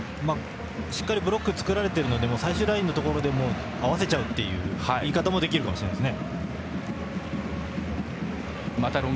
しっかりブロックを作られているので最終ラインのところで合わせちゃうという言い方もできるかもしれません。